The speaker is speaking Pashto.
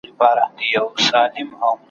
تر قیامته پر تڼاکو خپل مزل درته لیکمه ,